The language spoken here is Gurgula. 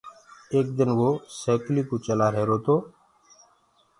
ايڪ دن وو سيڪلي ڪوُ چلآ رهيرو تو۔